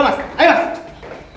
kurang perbutisnya orang